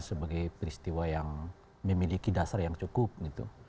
sebagai peristiwa yang memiliki dasar yang cukup gitu